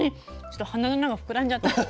ちょっと鼻の穴が膨らんじゃった。